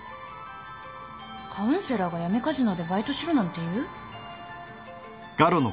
カウンセラーが闇カジノでバイトしろなんて言う？